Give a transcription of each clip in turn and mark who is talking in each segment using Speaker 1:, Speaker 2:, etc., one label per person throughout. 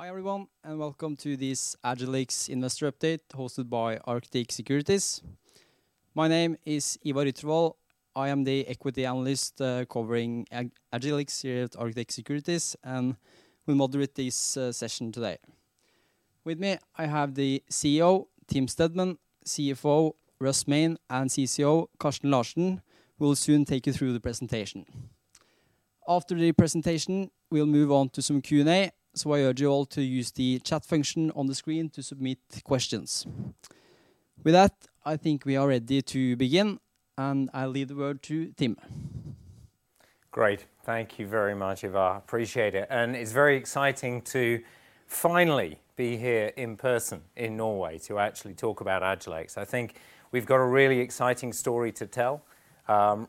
Speaker 1: Hi, everyone, and welcome to this Agilyx Investor Update hosted by Arctic Securities. My name is Ivar Yttervoll. I am the equity analyst covering Agilyx here at Arctic Securities, and will moderate this session today. With me, I have the CEO, Tim Stedman, CFO, Russ Main, and CCO, Carsten Larsen, who will soon take you through the presentation. After the presentation, we'll move on to some Q and A, so I urge you all to use the chat function on the screen to submit questions. With that, I think we are ready to begin, and I'll leave the word to Tim.
Speaker 2: Great. Thank you very much, Ivar. Appreciate it. It's very exciting to finally be here in person in Norway to actually talk about Agilyx. I think we've got a really exciting story to tell,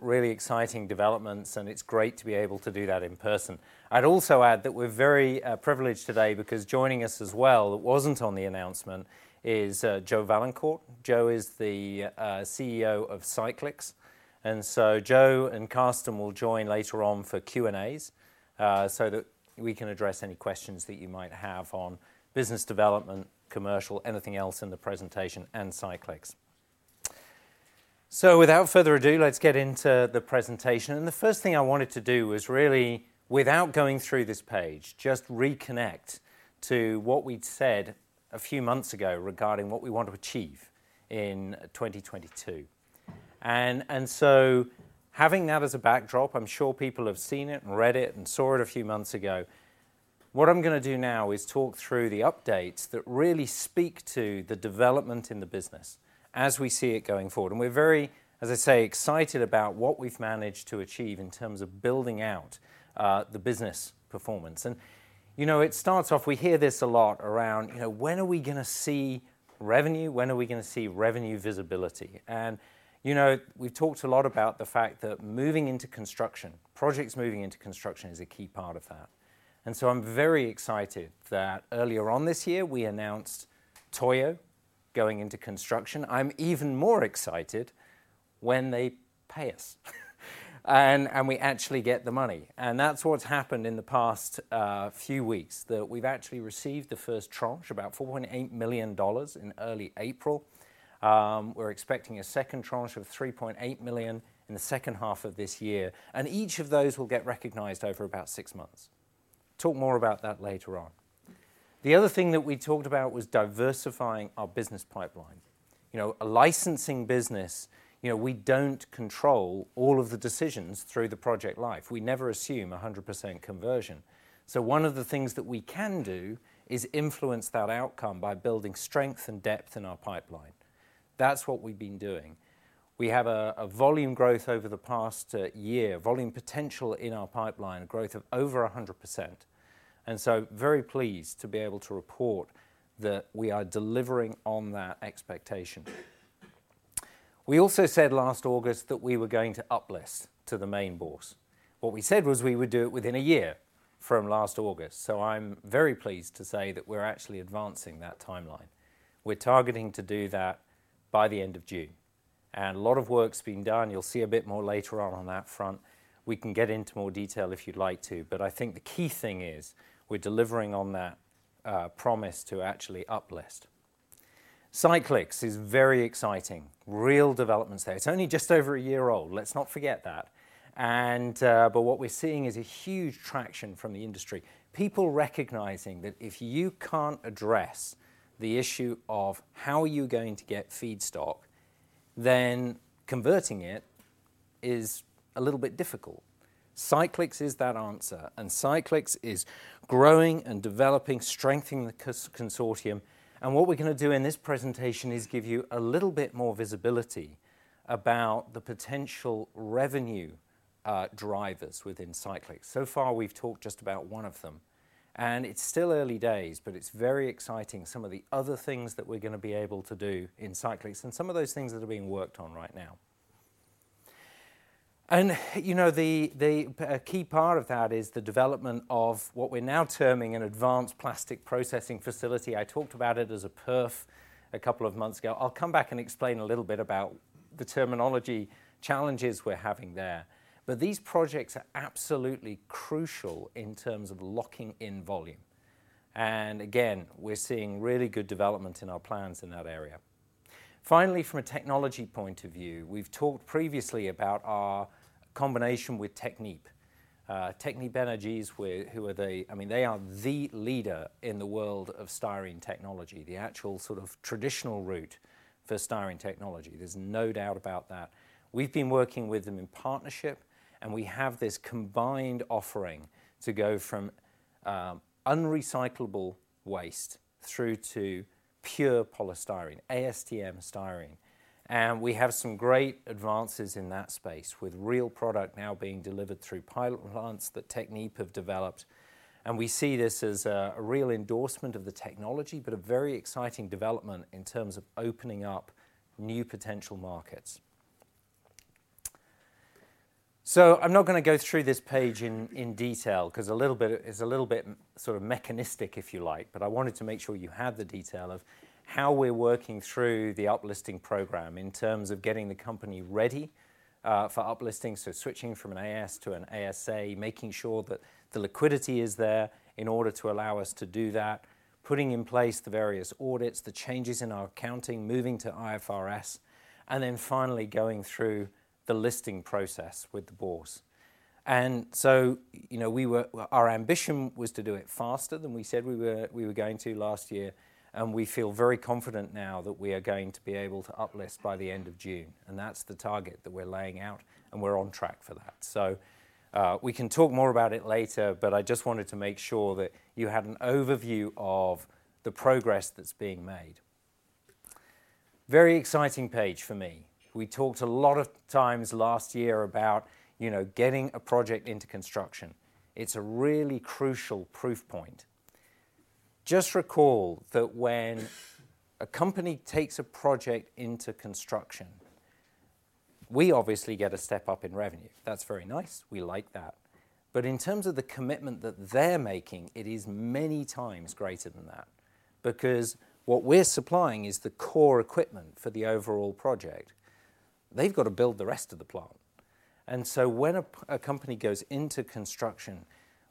Speaker 2: really exciting developments, and it's great to be able to do that in person. I'd also add that we're very privileged today because joining us as well, it wasn't on the announcement, is Joe Vaillancourt. Joe is the CEO of Cyclyx. Joe and Carsten will join later on for Q and As, so that we can address any questions that you might have on business development, commercial, anything else in the presentation and Cyclyx. Without further ado, let's get into the presentation. The first thing I wanted to do was really, without going through this page, just reconnect to what we'd said a few months ago regarding what we want to achieve in 2022. So having that as a backdrop, I'm sure people have seen it and read it and saw it a few months ago. What I'm gonna do now is talk through the updates that really speak to the development in the business as we see it going forward. We're very, as I say, excited about what we've managed to achieve in terms of building out the business performance. You know, it starts off, we hear this a lot around, you know, when are we gonna see revenue? When are we gonna see revenue visibility? You know, we've talked a lot about the fact that moving into construction, projects moving into construction is a key part of that. I'm very excited that earlier this year, we announced Toyo going into construction. I'm even more excited when they pay us and we actually get the money. That's what's happened in the past few weeks, that we've actually received the first tranche, about $4.8 million in early April. We're expecting a second tranche of $3.8 million in the second half of this year. Each of those will get recognized over about six months. Talk more about that later on. The other thing that we talked about was diversifying our business pipeline. You know, a licensing business, you know, we don't control all of the decisions through the project life. We never assume 100% conversion. One of the things that we can do is influence that outcome by building strength and depth in our pipeline. That's what we've been doing. We have volume growth over the past year, volume potential in our pipeline, a growth of over 100%, and very pleased to be able to report that we are delivering on that expectation. We also said last August that we were going to uplist to the main bourse. What we said was we would do it within a year from last August, so I'm very pleased to say that we're actually advancing that timeline. We're targeting to do that by the end of June. A lot of work's being done. You'll see a bit more later on that front. We can get into more detail if you'd like to, but I think the key thing is we're delivering on that promise to actually uplist. Cyclyx is very exciting. Real developments there. It's only just over a year old. Let's not forget that. What we're seeing is a huge traction from the industry, people recognizing that if you can't address the issue of how are you going to get feedstock, then converting it is a little bit difficult. Cyclyx is that answer, and Cyclyx is growing and developing, strengthening the consortium. What we're gonna do in this presentation is give you a little bit more visibility about the potential revenue drivers within Cyclyx. So far, we've talked just about one of them. It's still early days, but it's very exciting some of the other things that we're gonna be able to do in Cyclyx and some of those things that are being worked on right now. You know, the key part of that is the development of what we're now terming an advanced plastic processing facility. I talked about it as a PRF a couple of months ago. I'll come back and explain a little bit about the terminology challenges we're having there. These projects are absolutely crucial in terms of locking in volume. We're seeing really good development in our plans in that area. Finally, from a technology point of view, we've talked previously about our combination with Technip. Technip Energies, I mean, they are the leader in the world of styrene technology, the actual sort of traditional route for styrene technology. There's no doubt about that. We've been working with them in partnership, and we have this combined offering to go from unrecyclable waste through to pure polystyrene, ASTM styrene. We have some great advances in that space with real product now being delivered through pilot plants that Technip have developed. We see this as a real endorsement of the technology, but a very exciting development in terms of opening up new potential markets. I'm not gonna go through this page in detail 'cause it's a little bit sort of mechanistic, if you like. I wanted to make sure you have the detail of how we're working through the Uplisting program in terms of getting the company ready, for Uplisting, so switching from an AS to an ASA, making sure that the liquidity is there in order to allow us to do that, putting in place the various audits, the changes in our accounting, moving to IFRS, and then finally going through the listing process with the board. You know, our ambition was to do it faster than we said we were going to last year, and we feel very confident now that we are going to be able to Uplist by the end of June, and that's the target that we're laying out, and we're on track for that. We can talk more about it later, but I just wanted to make sure that you had an overview of the progress that's being made. Very exciting page for me. We talked a lot of times last year about, you know, getting a project into construction. It's a really crucial proof point. Just recall that when a company takes a project into construction, we obviously get a step up in revenue. That's very nice. We like that. In terms of the commitment that they're making, it is many times greater than that because what we're supplying is the core equipment for the overall project. They've got to build the rest of the plant. When a company goes into construction,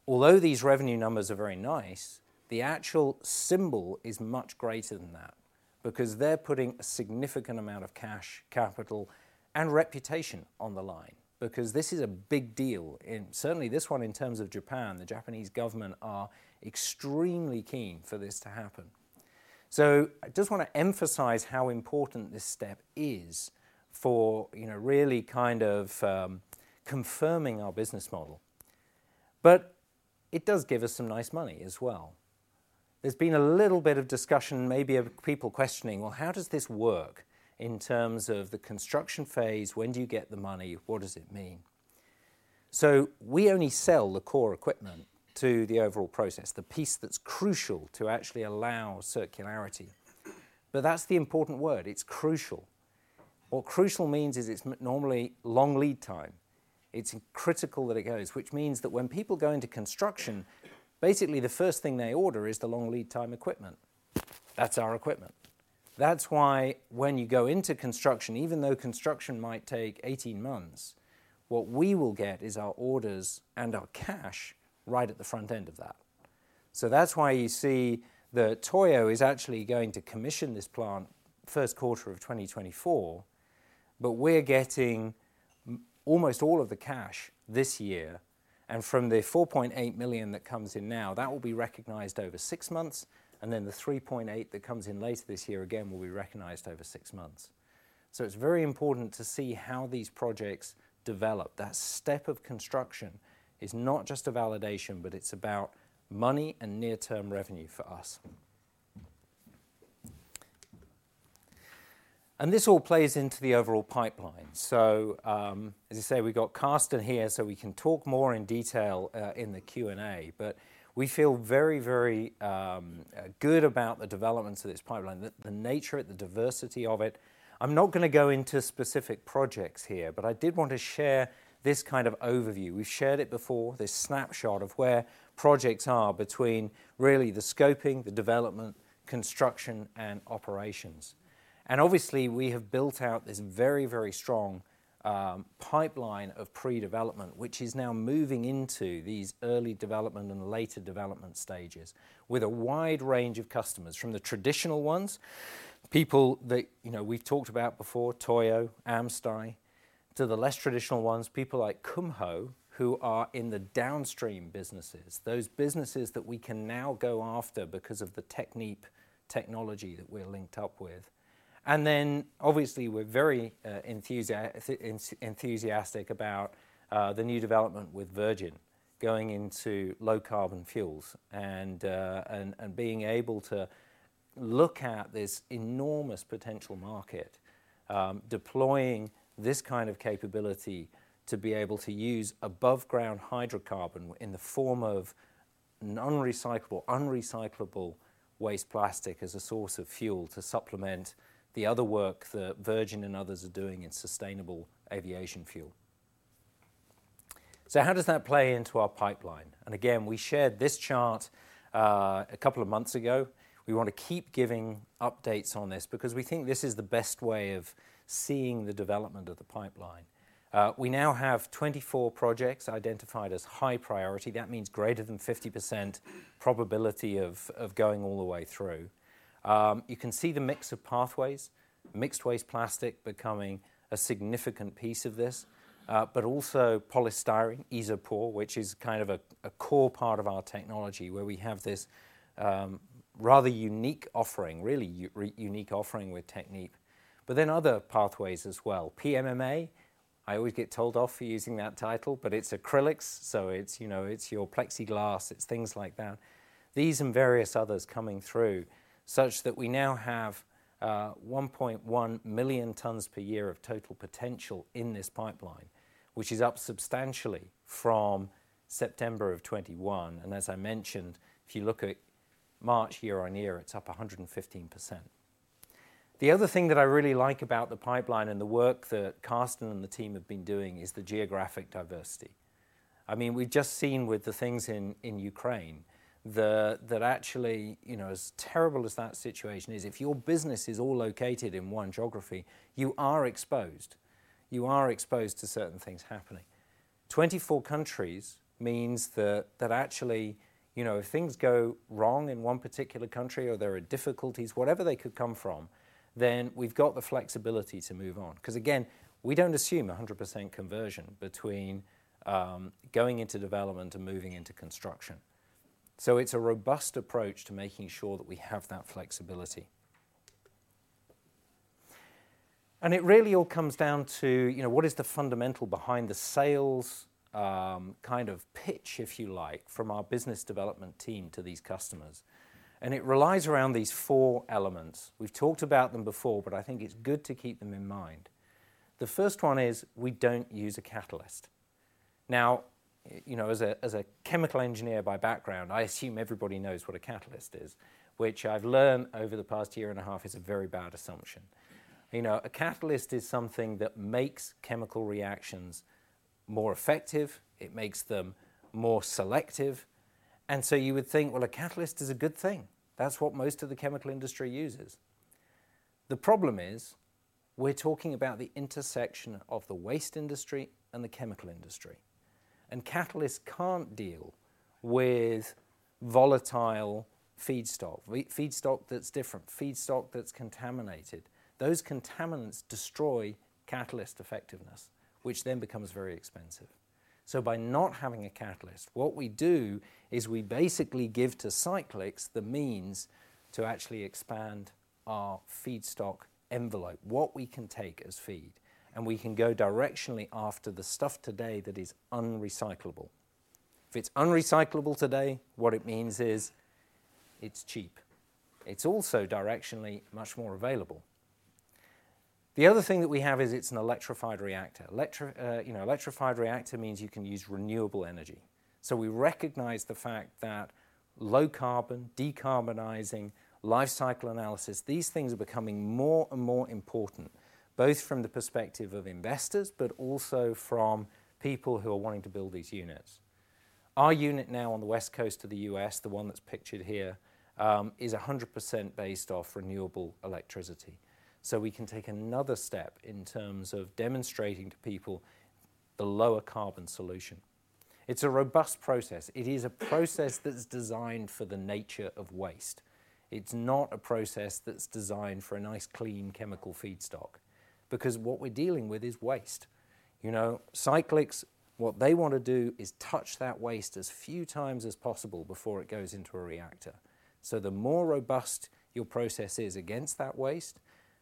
Speaker 2: although these revenue numbers are very nice, the actual symbol is much greater than that because they're putting a significant amount of cash, capital, and reputation on the line because this is a big deal. Certainly, this one in terms of Japan, the Japanese government are extremely keen for this to happen. I just wanna emphasize how important this step is for, you know, really kind of, confirming our business model. But it does give us some nice money as well. There's been a little bit of discussion maybe of people questioning, "Well, how does this work in terms of the construction phase? When do you get the money? What does it mean?" We only sell the core equipment to the overall process, the piece that's crucial to actually allow circularity. That's the important word, it's crucial. What crucial means is it's normally long lead time. It's critical that it goes, which means that when people go into construction, basically the first thing they order is the long lead time equipment. That's our equipment. That's why when you go into construction, even though construction might take 18 months, what we will get is our orders and our cash right at the front end of that. That's why you see that Toyo is actually going to commission this plant first quarter of 2024, but we're getting almost all of the cash this year. From the $4.8 million that comes in now, that will be recognized over six months, and then the $3.8 that comes in later this year again will be recognized over six months. It's very important to see how these projects develop. That step of construction is not just a validation, but it's about money and near-term revenue for us. This all plays into the overall pipeline. As I say, we've got Carsten here, so we can talk more in detail in the Q and A. We feel very good about the developments of this pipeline, the nature of it, the diversity of it. I'm not gonna go into specific projects here, but I did want to share this kind of overview. We've shared it before, this snapshot of where projects are between really the scoping, the development, construction, and operations. Obviously, we have built out this very, very strong pipeline of pre-development, which is now moving into these early development and later development stages with a wide range of customers from the traditional ones, people that, you know, we've talked about before, Toyo, AmSty, to the less traditional ones, people like Kumho who are in the downstream businesses, those businesses that we can now go after because of the Technip technology that we're linked up with. Obviously, we're very enthusiastic about the new development with Virgin going into low carbon fuels and being able to look at this enormous potential market, deploying this kind of capability to be able to use above ground hydrocarbon in the form of non-recyclable, unrecyclable waste plastic as a source of fuel to supplement the other work that Virgin and others are doing in sustainable aviation fuel. How does that play into our pipeline? Again, we shared this chart a couple of months ago. We wanna keep giving updates on this because we think this is the best way of seeing the development of the pipeline. We now have 24 projects identified as high priority. That means greater than 50% probability of going all the way through. You can see the mix of pathways, mixed waste plastic becoming a significant piece of this, but also polystyrene, Isopor, which is kind of a core part of our technology where we have this rather unique offering with Technip, but then other pathways as well. PMMA, I always get told off for using that title, but it's acrylics, so it's, you know, it's your plexiglass, it's things like that. These and various others coming through such that we now have 1.1 million tons per year of total potential in this pipeline, which is up substantially from September of 2021. As I mentioned, if you look at March year-on-year, it's up 115%. The other thing that I really like about the pipeline and the work that Carsten and the team have been doing is the geographic diversity. I mean, we've just seen with the things in Ukraine, that actually, you know, as terrible as that situation is, if your business is all located in one geography, you are exposed. You are exposed to certain things happening. 24 countries means that actually, you know, if things go wrong in one particular country or there are difficulties, whatever they could come from, then we've got the flexibility to move on. 'Cause again, we don't assume 100% conversion between going into development and moving into construction. It's a robust approach to making sure that we have that flexibility. It really all comes down to, you know, what is the fundamental behind the sales, kind of pitch, if you like, from our business development team to these customers, and it relies around these four elements. We've talked about them before, but I think it's good to keep them in mind. The first one is we don't use a catalyst. Now, you know, as a chemical engineer by background, I assume everybody knows what a catalyst is, which I've learned over the past year and a half is a very bad assumption. You know, a catalyst is something that makes chemical reactions more effective. It makes them more selective, and so you would think, "Well, a catalyst is a good thing." That's what most of the chemical industry uses. The problem is, we're talking about the intersection of the waste industry and the chemical industry, and catalysts can't deal with volatile feedstock that's different, feedstock that's contaminated. Those contaminants destroy catalyst effectiveness, which then becomes very expensive. By not having a catalyst, what we do is we basically give to Cyclyx the means to actually expand our feedstock envelope, what we can take as feed, and we can go directionally after the stuff today that is unrecyclable. If it's unrecyclable today, what it means is it's cheap. It's also directionally much more available. The other thing that we have is it's an electrified reactor. You know, electrified reactor means you can use renewable energy. We recognize the fact that low carbon, decarbonizing, life cycle analysis, these things are becoming more and more important, both from the perspective of investors, but also from people who are wanting to build these units. Our unit now on the West Coast of the U.S., the one that's pictured here, is 100% based off renewable electricity, so we can take another step in terms of demonstrating to people the lower carbon solution. It's a robust process. It is a process that is designed for the nature of waste. It's not a process that's designed for a nice clean chemical feedstock because what we're dealing with is waste. You know, Cyclyx, what they wanna do is touch that waste as few times as possible before it goes into a reactor. The more robust your process is against that waste,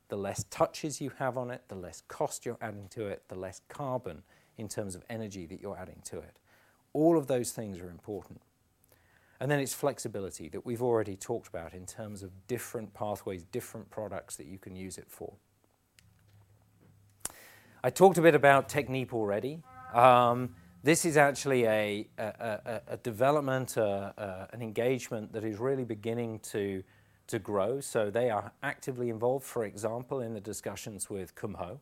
Speaker 2: the less touches you have on it, the less cost you're adding to it, the less carbon in terms of energy that you're adding to it. All of those things are important. It's flexibility that we've already talked about in terms of different pathways, different products that you can use it for. I talked a bit about Technip already. This is actually a development, an engagement that is really beginning to grow, so they are actively involved, for example, in the discussions with Kumho.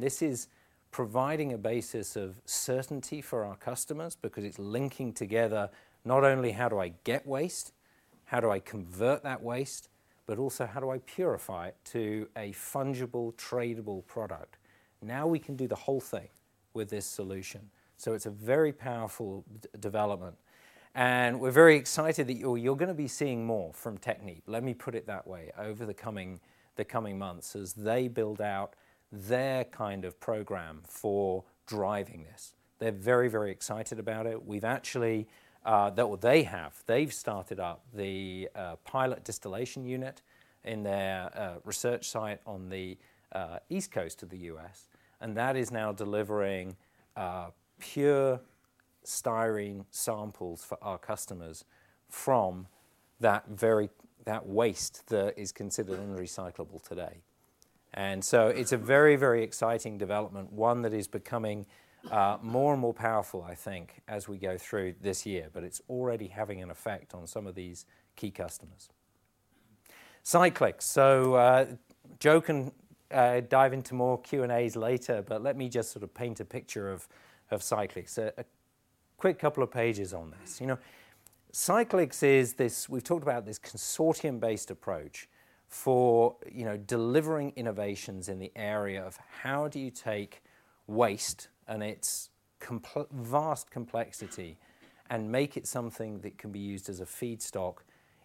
Speaker 2: This is providing a basis of certainty for our customers because it's linking together not only how do I get waste, how do I convert that waste, but also how do I purify it to a fungible, tradable product? Now we can do the whole thing with this solution, so it's a very powerful development, and we're very excited that you're gonna be seeing more from Technip, let me put it that way, over the coming months as they build out their kind of program for driving this. They're very excited about it. They have. They've started up the pilot distillation unit in their research site on the East Coast of the U.S., and that is now delivering pure styrene samples for our customers from that waste that is considered unrecyclable today. It's a very exciting development, one that is becoming more and more powerful, I think, as we go through this year, but it's already having an effect on some of these key customers. Cyclyx. Joe can dive into more Q and As later, but let me just sort of paint a picture of Cyclyx. A quick couple of pages on this. You know, Cyclyx is this. We've talked about this consortium-based approach for, you know, delivering innovations in the area of how do you take waste and its vast complexity and make it something that can be used as a feedstock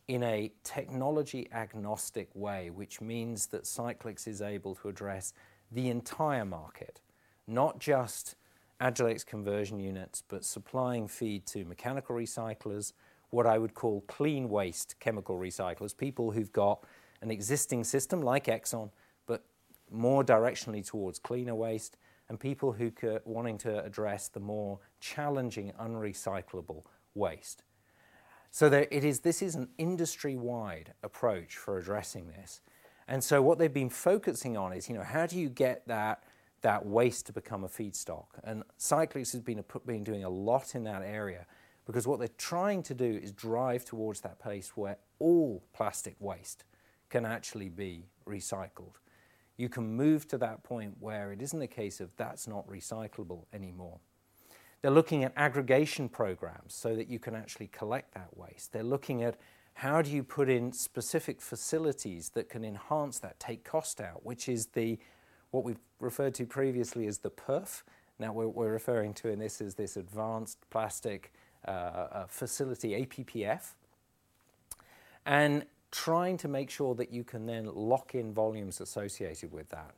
Speaker 2: in a technology agnostic way, which means that Cyclyx is able to address the entire market, not just Agilyx conversion units, but supplying feed to mechanical recyclers, what I would call clean waste chemical recyclers, people who've got an existing system like Exxon, but more directionally towards cleaner waste and people who wanting to address the more challenging unrecyclable waste. There it is, this is an industry-wide approach for addressing this. What they've been focusing on is, you know, how do you get that waste to become a feedstock? Cyclyx has been doing a lot in that area because what they're trying to do is drive towards that place where all plastic waste can actually be recycled. You can move to that point where it isn't a case of that's not recyclable anymore. They're looking at aggregation programs so that you can actually collect that waste. They're looking at how do you put in specific facilities that can enhance that, take cost out, which is what we've referred to previously as the PRF. Now what we're referring to in this is this advanced plastic facility, APPF, and trying to make sure that you can then lock in volumes associated with that.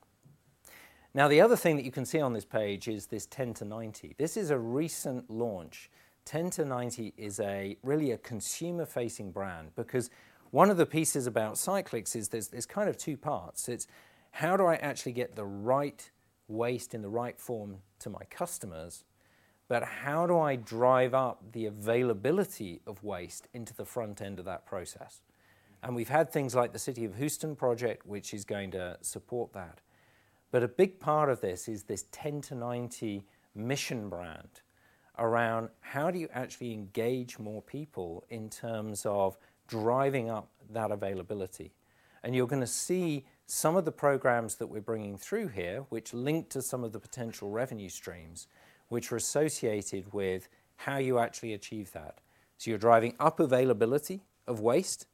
Speaker 2: Now, the other thing that you can see on this page is this 10to90. This is a recent launch. 10to90 is really a consumer-facing brand because one of the pieces about Cyclyx is there's kind of two parts. It's how do I actually get the right waste in the right form to my customers, but how do I drive up the availability of waste into the front end of that process? We've had things like the City of Houston project, which is going to support that. A big part of this is this 10 to90 mission brand around how do you actually engage more people in terms of driving up that availability. You're gonna see some of the programs that we're bringing through here, which link to some of the potential revenue streams, which are associated with how you actually achieve that. You're driving up availability of waste,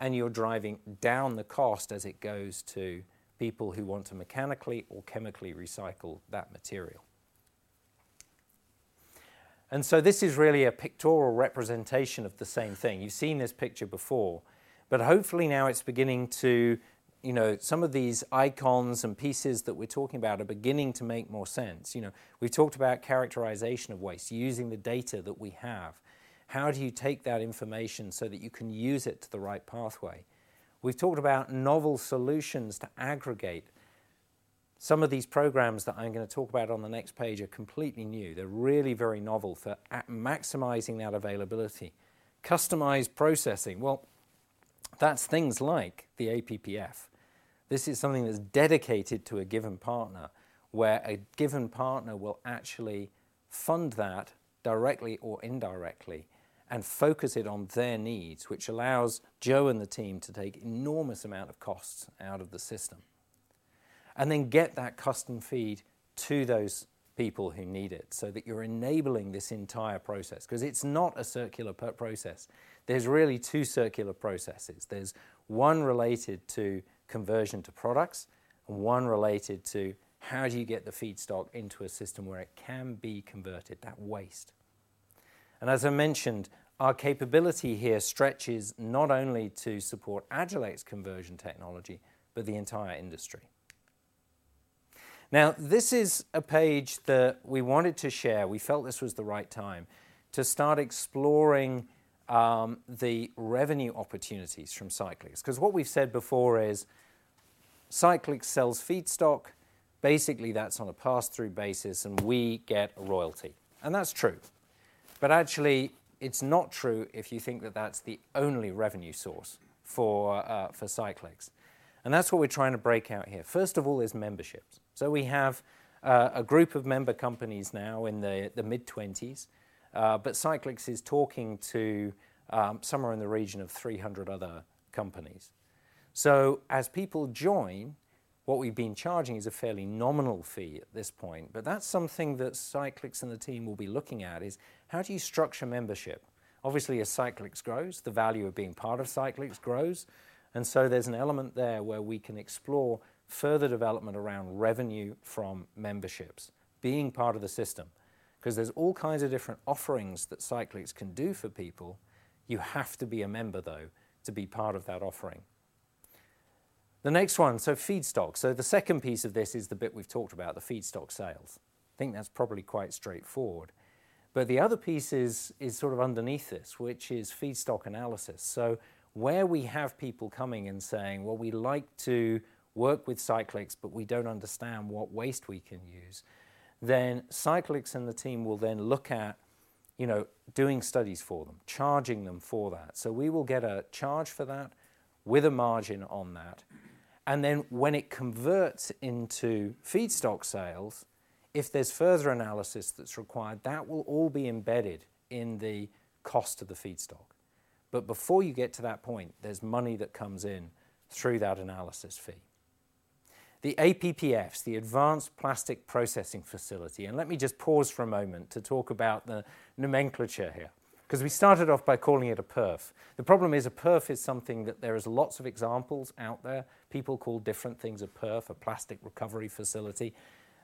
Speaker 2: and you're driving down the cost as it goes to people who want to mechanically or chemically recycle that material. This is really a pictorial representation of the same thing. You've seen this picture before, but hopefully now it's beginning to, you know, some of these icons and pieces that we're talking about are beginning to make more sense. You know, we've talked about characterization of waste using the data that we have. How do you take that information so that you can use it to the right pathway? We've talked about novel solutions to aggregate. Some of these programs that I'm gonna talk about on the next page are completely new. They're really very novel for maximizing that availability. Customized processing. Well, that's things like the APPF. This is something that's dedicated to a given partner, where a given partner will actually fund that directly or indirectly and focus it on their needs, which allows Joe and the team to take enormous amount of costs out of the system. Then get that custom feed to those people who need it so that you're enabling this entire process, because it's not a circular process. There's really two circular processes. There's one related to conversion to products, and one related to how do you get the feedstock into a system where it can be converted, that waste. As I mentioned, our capability here stretches not only to support Agilyx's conversion technology, but the entire industry. Now, this is a page that we wanted to share. We felt this was the right time to start exploring the revenue opportunities from Cyclyx. 'Cause what we've said before is Cyclyx sells feedstock. Basically, that's on a pass-through basis, and we get a royalty, and that's true. Actually, it's not true if you think that that's the only revenue source for Cyclyx, and that's what we're trying to break out here. First of all is memberships. We have a group of member companies now in the mid-20s, but Cyclyx is talking to somewhere in the region of 300 other companies. As people join, what we've been charging is a fairly nominal fee at this point, but that's something that Cyclyx and the team will be looking at is, how do you structure membership? Obviously, as Cyclyx grows, the value of being part of Cyclyx grows, and there's an element there where we can explore further development around revenue from memberships, being part of the system, because there's all kinds of different offerings that Cyclyx can do for people. You have to be a member, though, to be part of that offering. The next one, feedstock. The second piece of this is the bit we've talked about, the feedstock sales. I think that's probably quite straightforward. The other piece is sort of underneath this, which is feedstock analysis. Where we have people coming and saying, "Well, we like to work with Cyclyx, but we don't understand what waste we can use," then Cyclyx and the team will look at, you know, doing studies for them, charging them for that. We will get a charge for that with a margin on that, and then when it converts into feedstock sales, if there's further analysis that's required, that will all be embedded in the cost of the feedstock. Before you get to that point, there's money that comes in through that analysis fee. The APPF, the advanced plastic processing facility, and let me just pause for a moment to talk about the nomenclature here, because we started off by calling it a PRF. The problem is a PRF is something that there is lots of examples out there. People call different things a PRF, a plastic recovery facility.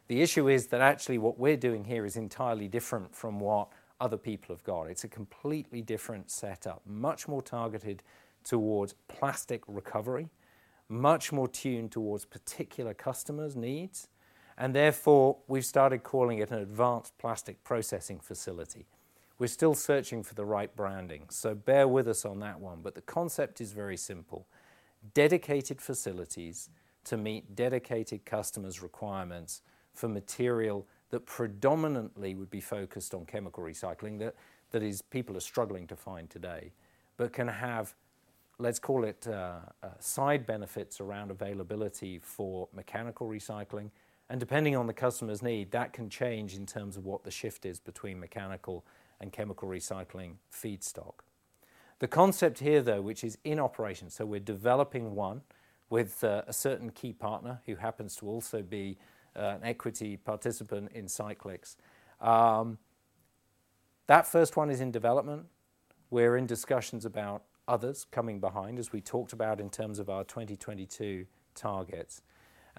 Speaker 2: The issue is that actually what we're doing here is entirely different from what other people have got. It's a completely different setup, much more targeted towards plastic recovery, much more tuned towards particular customers' needs, and therefore, we've started calling it an advanced plastic processing facility. We're still searching for the right branding, so bear with us on that one, but the concept is very simple. Dedicated facilities to meet dedicated customers' requirements for material that predominantly would be focused on chemical recycling that is, people are struggling to find today, but can have, let's call it, side benefits around availability for mechanical recycling, and depending on the customer's need, that can change in terms of what the shift is between mechanical and chemical recycling feedstock. The concept here, though, which is in operation, so we're developing one with a certain key partner who happens to also be an equity participant in Cyclyx. That first one is in development. We're in discussions about others coming behind as we talked about in terms of our 2022 targets.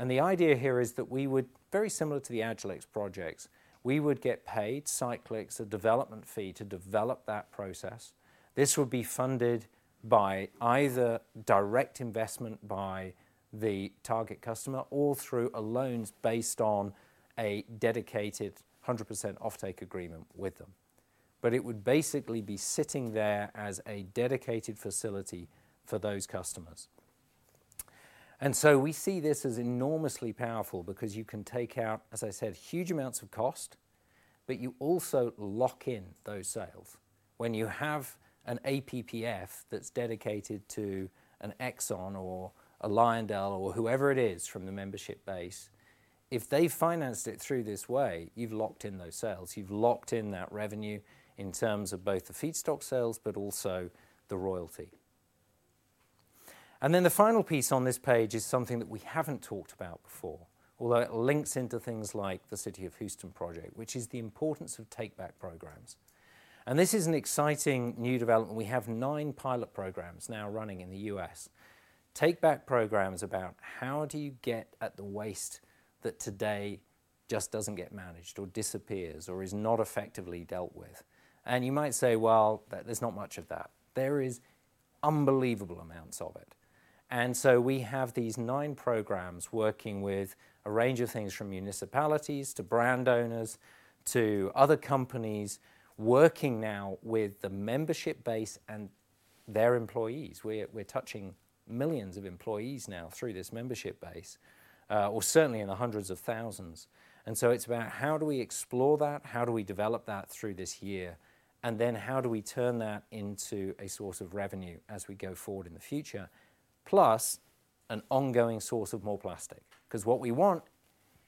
Speaker 2: The idea here is that we would, very similar to the Agilyx projects, we would get paid Cyclyx a development fee to develop that process. This would be funded by either direct investment by the target customer or through a loan based on a dedicated 100% offtake agreement with them. It would basically be sitting there as a dedicated facility for those customers. We see this as enormously powerful because you can take out, as I said, huge amounts of cost, but you also lock in those sales. When you have an APPF that's dedicated to an Exxon or a Lyondell or whoever it is from the membership base, if they financed it through this way, you've locked in those sales. You've locked in that revenue in terms of both the feedstock sales but also the royalty. Then the final piece on this page is something that we haven't talked about before, although it links into things like the City of Houston project, which is the importance of take-back programs. This is an exciting new development. We have nine pilot programs now running in the U.S. Take-back programs about how do you get at the waste that today just doesn't get managed or disappears or is not effectively dealt with. You might say, "Well, there's not much of that." There is unbelievable amounts of it. We have these nine programs working with a range of things from municipalities to brand owners to other companies working now with the membership base and their employees. We're touching millions of employees now through this membership base, or certainly in the hundreds of thousands. It's about how do we explore that? How do we develop that through this year? How do we turn that into a source of revenue as we go forward in the future, plus an ongoing source of more plastic? 'Cause what we want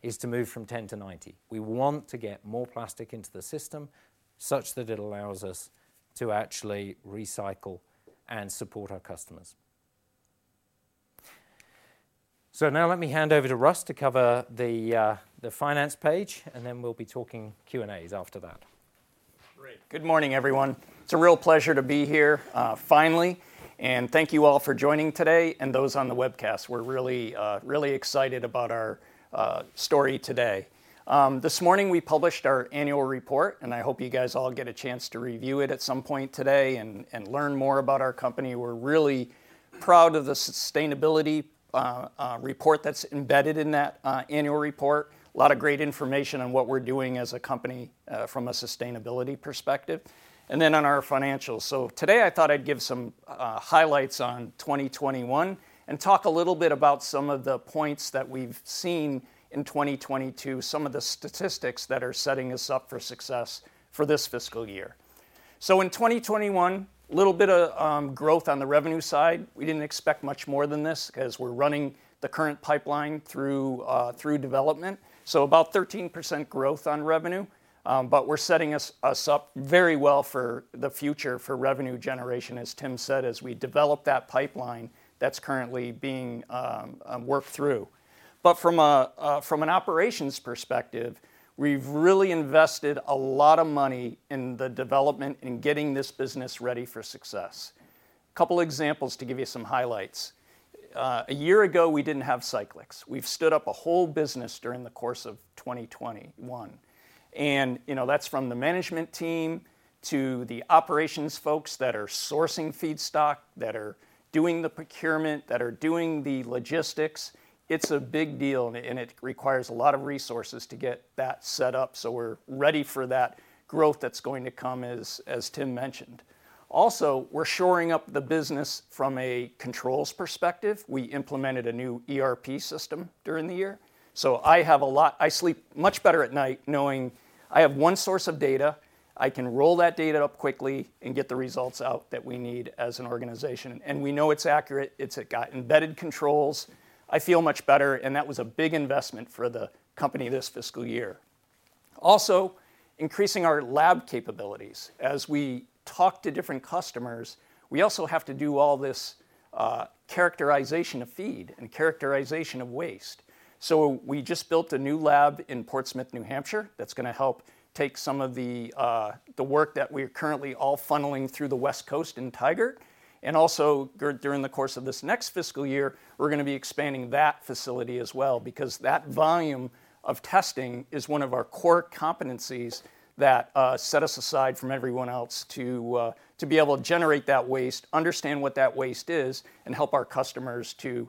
Speaker 2: is to move from 10to90. We want to get more plastic into the system such that it allows us to actually recycle and support our customers. Now let me hand over to Russ to cover the finance page, and then we'll be talking Q and As after that.
Speaker 3: Great. Good morning, everyone. It's a real pleasure to be here, finally, and thank you all for joining today and those on the webcast. We're really, really excited about our story today. This morning we published our annual report, and I hope you guys all get a chance to review it at some point today and learn more about our company. We're really proud of the sustainability report that's embedded in that annual report. A lot of great information on what we're doing as a company, from a sustainability perspective, and then on our financials. Today I thought I'd give some highlights on 2021 and talk a little bit about some of the points that we've seen in 2022, some of the statistics that are setting us up for success for this fiscal year. In 2021, little bit of growth on the revenue side. We didn't expect much more than this as we're running the current pipeline through development. About 13% growth on revenue, but we're setting us up very well for the future for revenue generation, as Tim said, as we develop that pipeline that's currently being worked through. But from an operations perspective, we've really invested a lot of money in the development in getting this business ready for success. Couple examples to give you some highlights. A year ago, we didn't have Cyclyx. We've stood up a whole business during the course of 2021, and, you know, that's from the management team to the operations folks that are sourcing feedstock, that are doing the procurement, that are doing the logistics. It's a big deal and it requires a lot of resources to get that set up so we're ready for that growth that's going to come as Tim mentioned. Also, we're shoring up the business from a controls perspective. We implemented a new ERP system during the year. I have a lot. I sleep much better at night knowing I have one source of data. I can roll that data up quickly and get the results out that we need as an organization, and we know it's accurate. It's got embedded controls. I feel much better, and that was a big investment for the company this fiscal year. Also, increasing our lab capabilities as we talk to different customers, we also have to do all this characterization of feed and characterization of waste. We just built a new lab in Portsmouth, New Hampshire, that's gonna help take some of the work that we're currently all funneling through the West Coast in Tigard. During the course of this next fiscal year, we're gonna be expanding that facility as well because that volume of testing is one of our core competencies that set us aside from everyone else to be able to generate that waste, understand what that waste is, and help our customers to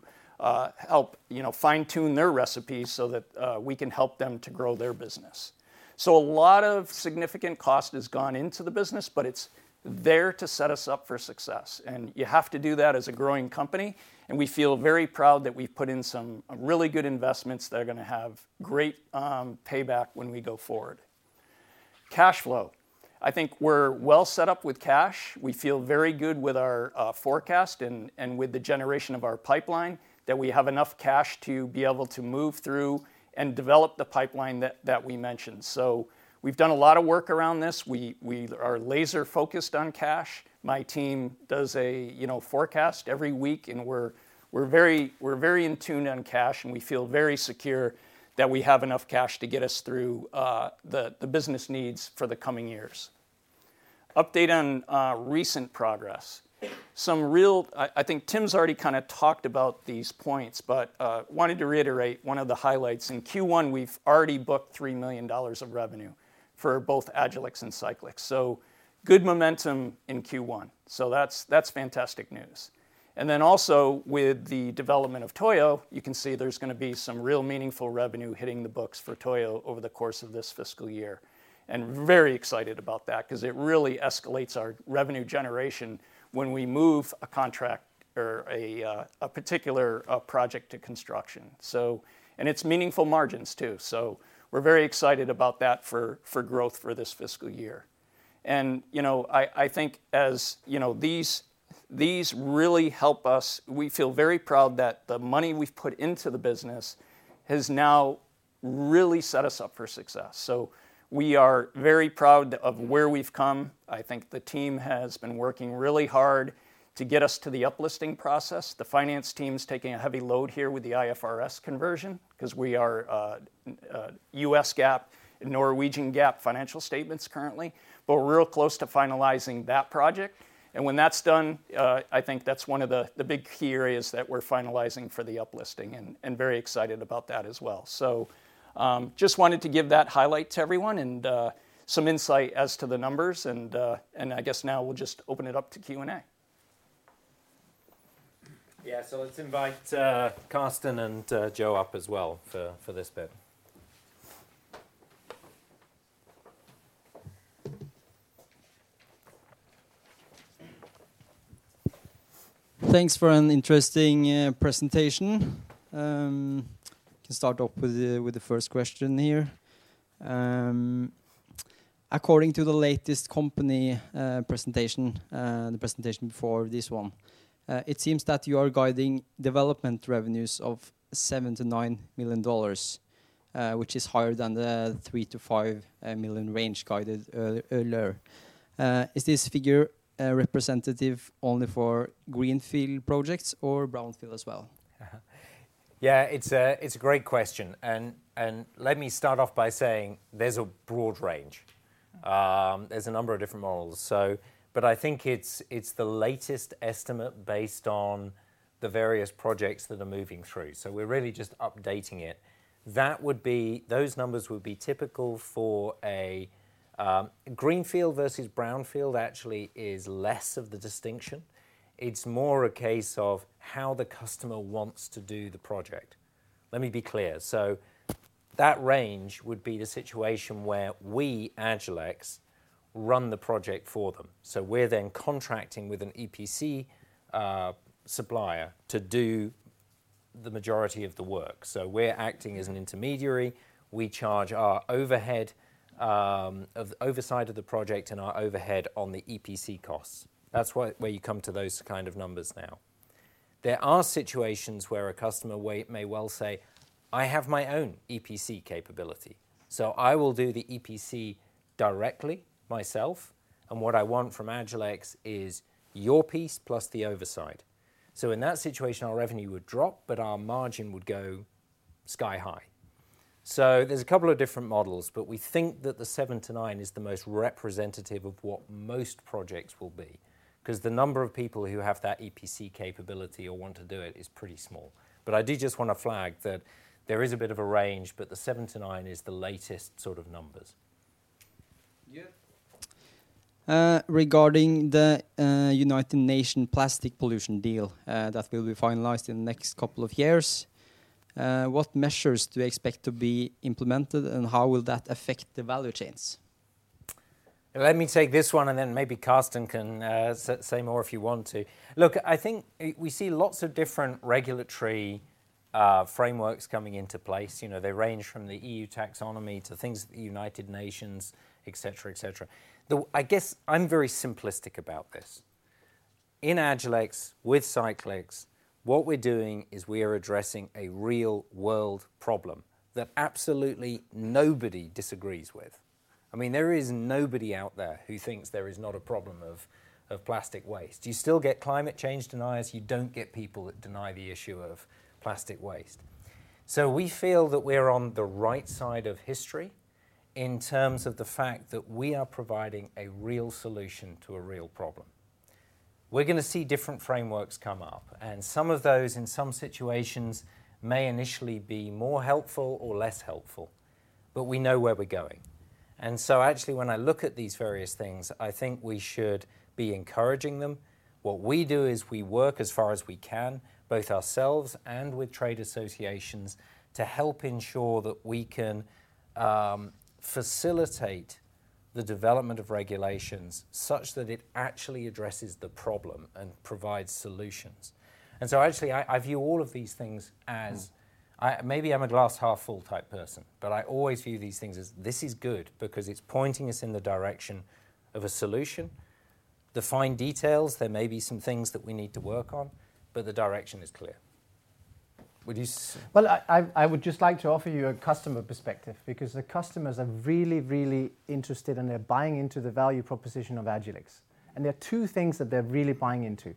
Speaker 3: help, you know, fine-tune their recipes so that we can help them to grow their business. A lot of significant cost has gone into the business, but it's there to set us up for success, and you have to do that as a growing company, and we feel very proud that we've put in some really good investments that are gonna have great payback when we go forward. Cash flow. I think we're well set up with cash. We feel very good with our forecast and with the generation of our pipeline, that we have enough cash to be able to move through and develop the pipeline that we mentioned. We've done a lot of work around this. We are laser-focused on cash. My team does a, you know, forecast every week, and we're very in tune on cash, and we feel very secure that we have enough cash to get us through the business needs for the coming years. Update on recent progress. I think Tim's already kinda talked about these points, but wanted to reiterate one of the highlights. In Q1, we've already booked $3 million of revenue for both Agilyx and Cyclyx's. Good momentum in Q1. That's fantastic news. Then also with the development of Toyo, you can see there's gonna be some real meaningful revenue hitting the books for Toyo over the course of this fiscal year. Very excited about that 'cause it really escalates our revenue generation when we move a contract or a particular project to construction. It's meaningful margins too. We're very excited about that for growth for this fiscal year. You know, I think as you know, these really help us. We feel very proud that the money we've put into the business has now really set us up for success. We are very proud of where we've come. I think the team has been working really hard to get us to the up-listing process. The finance team's taking a heavy load here with the IFRS conversion 'cause we are US GAAP and Norwegian GAAP financial statements currently. We're real close to finalizing that project, and when that's done, I think that's one of the big key areas that we're finalizing for the up-listing and very excited about that as well. Just wanted to give that highlight to everyone and some insight as to the numbers and I guess now we'll just open it up to Q and A.
Speaker 2: Yeah. Let's invite Carsten and Joe up as well for this bit.
Speaker 1: Thanks for an interesting presentation. Can start off with the first question here. According to the latest company presentation, the presentation before this one, it seems that you are guiding development revenues of $7 million-$9 million, which is higher than the $3 million-$5 million range guided earlier. Is this figure representative only for greenfield projects or brownfield as well?
Speaker 2: Yeah. It's a great question. Let me start off by saying there's a broad range. There's a number of different models. I think it's the latest estimate based on the various projects that are moving through, so we're really just updating it. Those numbers would be typical for a greenfield versus brownfield. Actually, it's less of the distinction. It's more a case of how the customer wants to do the project. Let me be clear. That range would be the situation where we, Agilyx, run the project for them, so we're then contracting with an EPC supplier to do the majority of the work. We're acting as an intermediary. We charge our overhead of oversight of the project and our overhead on the EPC costs. That's where you come to those kind of numbers now. There are situations where a customer may well say, "I have my own EPC capability, so I will do the EPC directly myself, and what I want from Agilyx is your piece plus the oversight." In that situation, our revenue would drop, but our margin would go sky-high. There's a couple of different models, but we think that the 7-9 is the most representative of what most projects will be. 'Cause the number of people who have that EPC capability or want to do it is pretty small. I did just wanna flag that there is a bit of a range, but the 7-9 is the latest sort of numbers.
Speaker 1: Yeah. Regarding the United Nations plastic pollution treaty that will be finalized in the next couple of years, what measures do you expect to be implemented, and how will that affect the value chains?
Speaker 2: Let me take this one, and then maybe Carsten can say more if you want to. Look, I think we see lots of different regulatory frameworks coming into place. You know, they range from the EU taxonomy to things at the United Nations, et cetera, et cetera. I guess I'm very simplistic about this. In Agilyx, with Cyclyx, what we're doing is we are addressing a real-world problem that absolutely nobody disagrees with. I mean, there is nobody out there who thinks there is not a problem of plastic waste. You still get climate change deniers. You don't get people that deny the issue of plastic waste. We feel that we're on the right side of history in terms of the fact that we are providing a real solution to a real problem. We're gonna see different frameworks come up, and some of those in some situations may initially be more helpful or less helpful, but we know where we're going. Actually when I look at these various things, I think we should be encouraging them. What we do is we work as far as we can, both ourselves and with trade associations, to help ensure that we can facilitate the development of regulations such that it actually addresses the problem and provides solutions. Actually I view all of these things as-
Speaker 1: Mmmmh.
Speaker 2: Maybe I'm a glass half full type person, but I always view these things as this is good because it's pointing us in the direction of a solution. The fine details, there may be some things that we need to work on, but the direction is clear. Would you s-
Speaker 4: Well, I would just like to offer you a customer perspective because the customers are really, really interested, and they're buying into the value proposition of Agilyx, and there are two things that they're really buying into.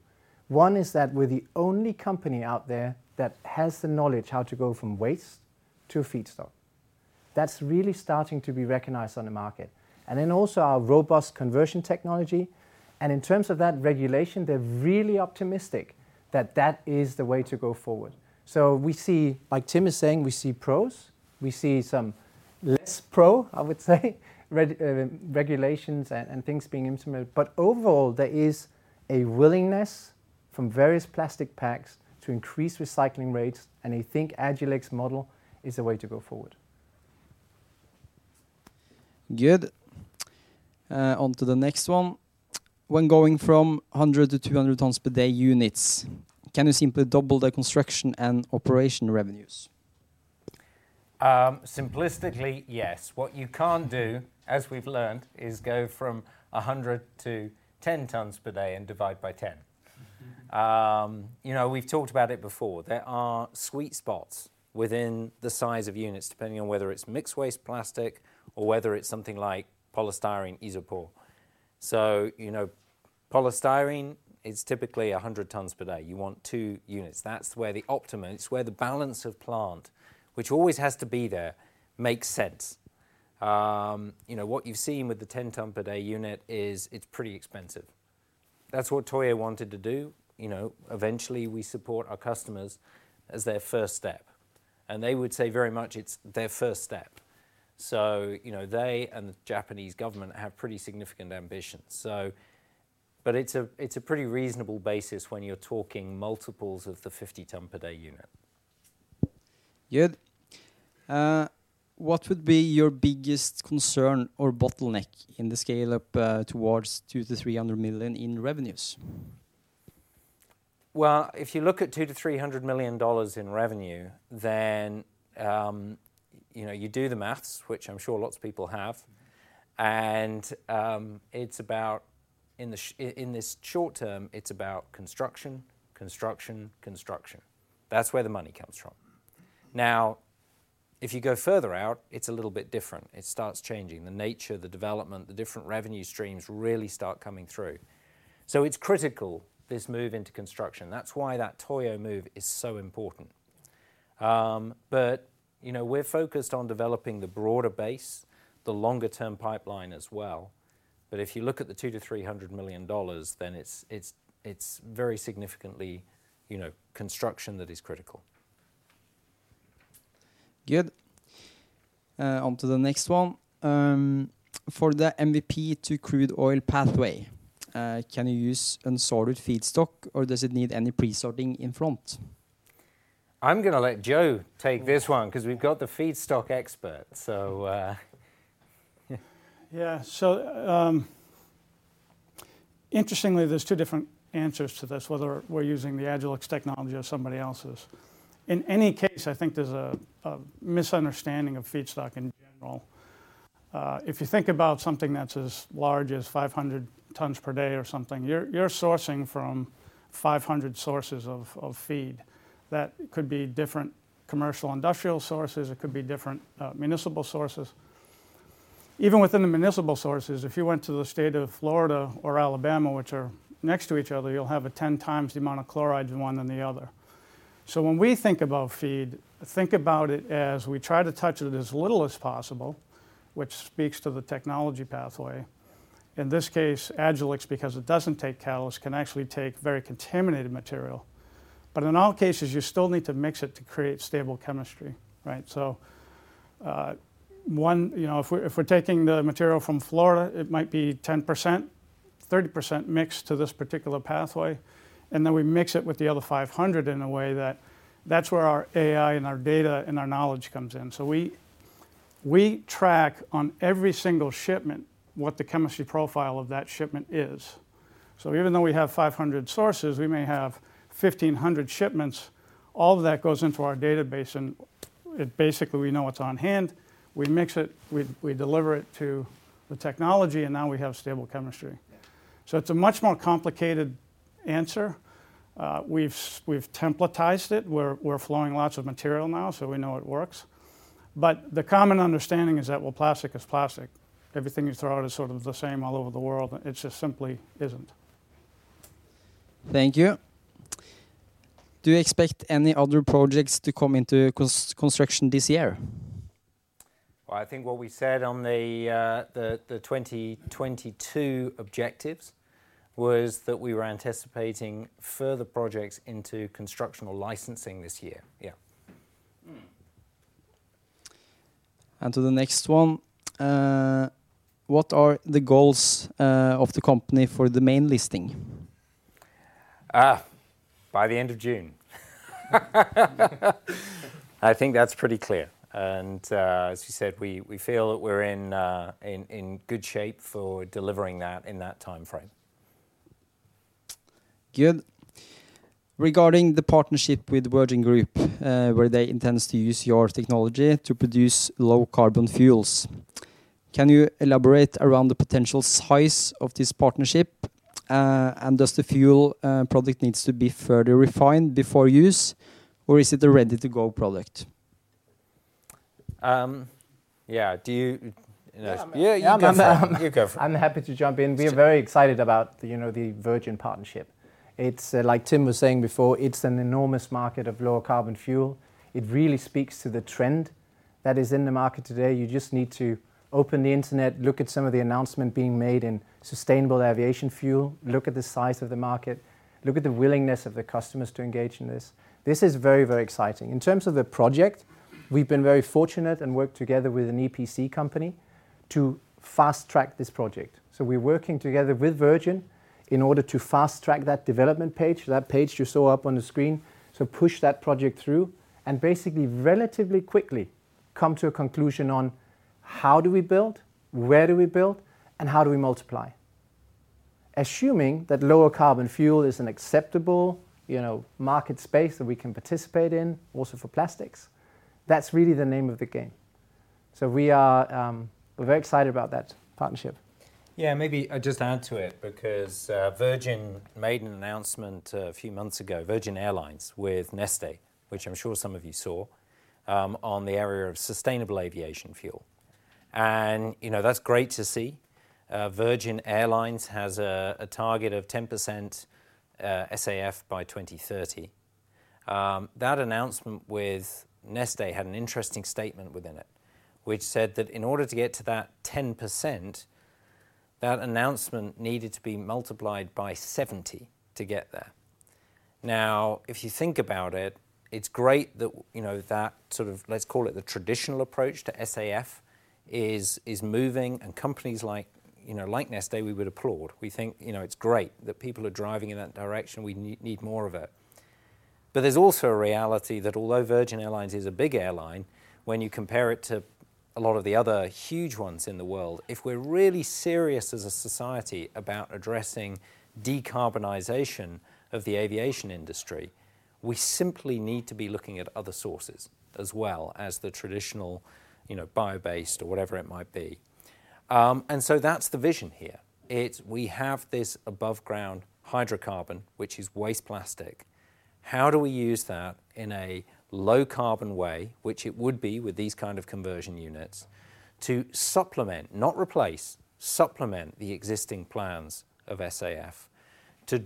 Speaker 4: One is that we're the only company out there that has the knowledge how to go from waste to a feedstock. That's really starting to be recognized on the market and then also our robust conversion technology. In terms of that regulation, they're really optimistic that that is the way to go forward. We see, like Tim is saying, we see pros, we see some less pro. I would say, regulations and things being implemented. Overall, there is a willingness from various plastic producers to increase recycling rates, and they think Agilyx model is the way to go forward.
Speaker 1: Good. Onto the next one. When going from 100 to 200 tons per day units, can you simply double the construction and operation revenues?
Speaker 2: Simplistically, yes. What you can't do, as we've learned, is go from 100 to 10 tons per day and divide by 10. You know, we've talked about it before. There are sweet spots within the size of units, depending on whether it's mixed waste plastic or whether it's something like polystyrene, Isopor. You know, polystyrene is typically 100 tons per day. You want two units. That's where the optimum. It's where the balance of plant, which always has to be there, makes sense. You know, what you've seen with the 10-ton-per-day unit is it's pretty expensive. That's what Toyo wanted to do. You know, eventually, we support our customers as their first step, and they would say very much it's their first step. You know, they and the Japanese government have pretty significant ambitions. It's a pretty reasonable basis when you're talking multiples of the 50-ton-per-day unit.
Speaker 1: Good. What would be your biggest concern or bottleneck in the scale-up towards $200-$300 million in revenues?
Speaker 2: Well, if you look at $200 million-$300 million in revenue, then, you know, you do the math, which I'm sure lots of people have, and, it's about, in this short term, it's about construction. That's where the money comes from. Now, if you go further out, it's a little bit different. It starts changing. The nature, the development, the different revenue streams really start coming through. It's critical, this move into construction. That's why that Toyo move is so important. You know, we're focused on developing the broader base, the longer-term pipeline as well. If you look at the $200 million-$300 million, then it's very significantly, you know, construction that is critical.
Speaker 1: Good. Onto the next one. For the MWP to crude oil pathway, can you use unsorted feedstock, or does it need any pre-sorting in front?
Speaker 2: I'm gonna let Joe take this one 'cause we've got the feedstock expert.
Speaker 5: Yeah. Interestingly, there's two different answers to this, whether we're using the Agilyx technology or somebody else's. In any case, I think there's a misunderstanding of feedstock in general. If you think about something that's as large as 500 tons per day or something, you're sourcing from 500 sources of feed. That could be different commercial industrial sources. It could be different municipal sources. Even within the municipal sources, if you went to the state of Florida or Alabama, which are next to each other, you'll have 10 times the amount of chloride in one than the other. When we think about feed, think about it as we try to touch it as little as possible, which speaks to the technology pathway. In this case, Agilyx, because it doesn't take catalyst, can actually take very contaminated material. In all cases, you still need to mix it to create stable chemistry, right? You know, if we're taking the material from Florida, it might be 10%-30% mix to this particular pathway, and then we mix it with the other 500 in a way that that's where our AI and our data and our knowledge comes in. We track on every single shipment what the chemistry profile of that shipment is. Even though we have 500 sources, we may have 1,500 shipments. All of that goes into our database, and it basically we know what's on hand. We mix it. We deliver it to the technology, and now we have stable chemistry. It's a much more complicated answer. We've templatized it. We're flowing lots of material now, so we know it works. The common understanding is that, well, plastic is plastic. Everything you throw out is sort of the same all over the world. It just simply isn't.
Speaker 1: Thank you. Do you expect any other projects to come into construction this year?
Speaker 2: Well, I think what we said on the 2022 objectives was that we were anticipating further projects into construction or licensing this year. Yeah.
Speaker 5: Mmmmh.
Speaker 1: Onto the next one. What are the goals of the company for the main listing?
Speaker 2: By the end of June. I think that's pretty clear. As you said, we feel that we're in good shape for delivering that in that timeframe.
Speaker 1: Good. Regarding the partnership with Virgin Group, where they intends to use your technology to produce low carbon fuels, can you elaborate around the potential size of this partnership? Does the fuel product needs to be further refined before use, or is it a ready-to-go product?
Speaker 2: Yeah. You know.
Speaker 4: Yeah, I'm
Speaker 2: Yeah, you go for it. You go for it.
Speaker 4: I'm happy to jump in.
Speaker 2: It's j-
Speaker 4: We're very excited about the, you know, the Virgin partnership. It's, like Tim was saying before, it's an enormous market of lower carbon fuel. It really speaks to the trend that is in the market today. You just need to open the internet, look at some of the announcement being made in sustainable aviation fuel, look at the size of the market, look at the willingness of the customers to engage in this. This is very, very exciting. In terms of the project, we've been very fortunate and worked together with an EPC company to fast-track this project. We're working together with Virgin in order to fast-track that development phase, that phase you saw up on the screen, to push that project through and basically, relatively quickly, come to a conclusion on how do we build, where do we build, and how do we multiply? Assuming that lower carbon fuel is an acceptable, you know, market space that we can participate in, also for plastics, that's really the name of the game. We're very excited about that partnership.
Speaker 2: Yeah. Maybe I'll just add to it because, Virgin Atlantic made an announcement a few months ago, Virgin Atlantic, with Neste, which I'm sure some of you saw, on the area of sustainable aviation fuel. You know, that's great to see. Virgin Atlantic has a target of 10% SAF by 2030. That announcement with Neste had an interesting statement within it, which said that in order to get to that 10%, that announcement needed to be multiplied by 70 to get there. Now, if you think about it's great that, you know, that sort of, let's call it the traditional approach to SAF is moving, and companies like, you know, like Neste, we would applaud. We think, you know, it's great that people are driving in that direction. We need more of it. There's also a reality that although Virgin Atlantic is a big airline, when you compare it to a lot of the other huge ones in the world, if we're really serious as a society about addressing decarbonization of the aviation industry, we simply need to be looking at other sources as well as the traditional, you know, bio-based or whatever it might be. And so that's the vision here. It's we have this above ground hydrocarbon, which is waste plastic. How do we use that in a low carbon way, which it would be with these kind of conversion units, to supplement, not replace, the existing plans of SAF to